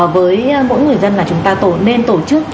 với mỗi người dân là chúng ta tổ nên tổ chức